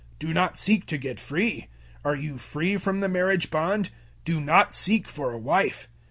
Do not seek to get free. Are you free from the marriage bond? Do not seek for a wife.